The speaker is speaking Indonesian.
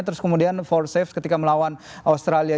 terus kemudian empat safe ketika melawan australia